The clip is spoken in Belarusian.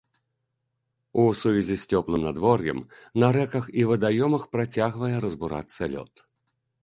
У сувязі з цёплым надвор'ем на рэках і вадаёмах працягвае разбурацца лёд.